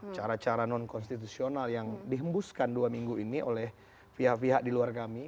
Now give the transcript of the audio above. cara cara non konstitusional yang dihembuskan dua minggu ini oleh pihak pihak di luar kami